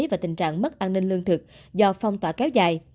và tình trạng mất an ninh lương thực do phong tỏa kéo dài